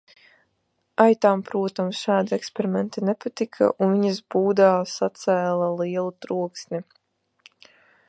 Aitām protams šādi eksperimenti nepatika un viņas būdā sacēla lielu troksni.